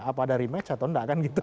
apa ada rematch atau enggak kan gitu